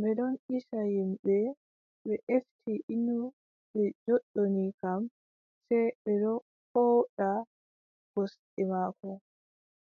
Ɓe ɗon isa yimɓe, ɓe efti innu ɓe joɗɗoni kam, sey ɓe ɗo pooɗa gosɗe maako.